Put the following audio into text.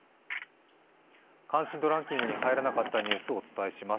関心度ランキングに入らなかったニュースをお伝えします。